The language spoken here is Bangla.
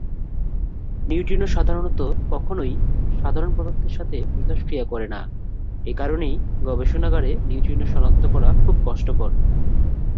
নিউট্রিনো সাধারণত কখনই সাধারণ পদার্থের সাথে মিথস্ক্রিয়া করে না, এ কারণেই গবেষণাগারে নিউট্রিনো সনাক্ত করা খুব কষ্টকর।